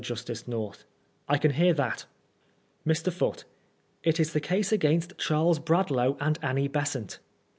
Justice North : I can hear that. Mr. Foote: It is the case against Charles Bradlaugh and Annie Besant.